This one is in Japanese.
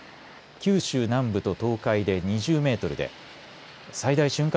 九州南部と東海で２０メートルで最大瞬間